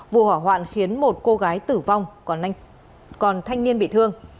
vụ hỏa hoạn khiến một cô gái tử vong còn thanh niên bị thương